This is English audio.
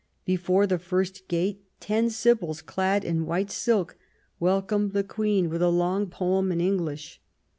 Before the first gate ten sibyls, clad in white silk, welcomed the Queen with a long poem in English.